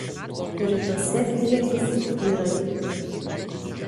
Rytuose driekiasi tyrai.